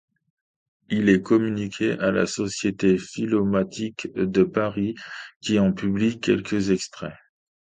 Il est communiqué à la Société philomatique de Paris, qui en publie quelques extraits.